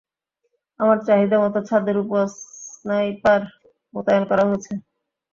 আমার চাহিদামতো ছাদের উপর স্নাইপার মোতায়েন করা হয়েছে?